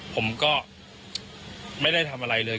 ผมก็ไม่ได้ทำอะไรเลย